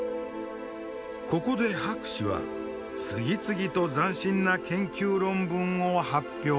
ここで博士は次々と斬新な研究論文を発表します。